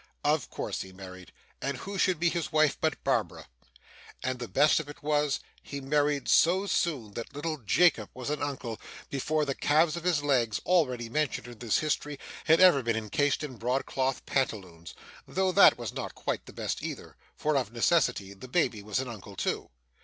Of course he married, and who should be his wife but Barbara? And the best of it was, he married so soon that little Jacob was an uncle, before the calves of his legs, already mentioned in this history, had ever been encased in broadcloth pantaloons, though that was not quite the best either, for of necessity the baby was an uncle too.